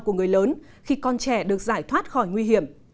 của người lớn khi con trẻ được giải thoát khỏi nguy hiểm